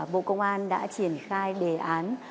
bộ công an đã triển khai đề án